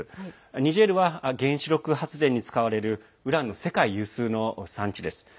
ニジェールは原子力発電に使われるウランの世界有数の産地です。